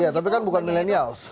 ya tapi kan bukan milenials